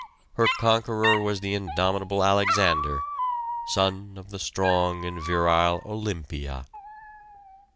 Her conqueror was the indomitable Alexander, son of the strong and virile Olympia.